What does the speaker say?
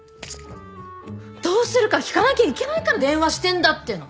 どうするか聞かなきゃいけないから電話してるんだっての！